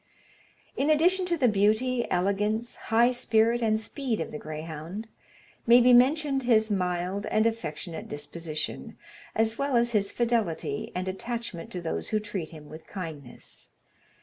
In addition to the beauty, elegance, high spirit, and speed of the greyhound, may be mentioned his mild and affectionate disposition, as well as his fidelity and attachment to those who treat him with kindness.